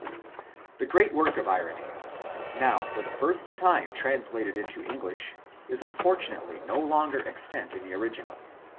The great work of Irenoeus, now for the first time trans lated into English, is unfortunately no longer extant in the original.